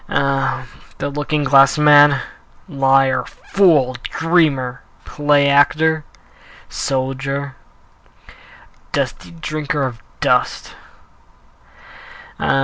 Ah, this. looking glass man! Liar, fool, dreamer, play actor, Soldier, dusty drinker of dust Ah!